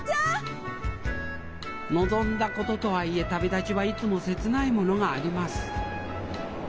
望んだこととはいえ旅立ちはいつも切ないものがあります。